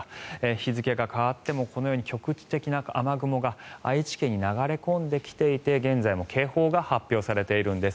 日付が変わってもこのように局地的な雨雲が愛知県に流れ込んできていて現在も警報が発表されているんです。